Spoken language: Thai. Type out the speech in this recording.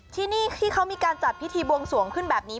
ที่นี่ที่เขามีการจัดพิธีบวงสวงขึ้นแบบนี้